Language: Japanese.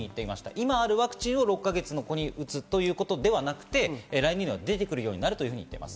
今あるワクチンを６か月の子に打つというわけではなく、来年には出てくると言っています。